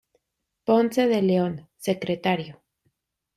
Ponce de León, Secretario.